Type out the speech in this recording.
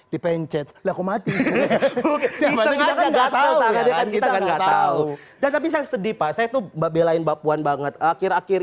dipencet lewat mati kita nggak tahu tapi saya sedih pas itu belain bapak banget akhir akhir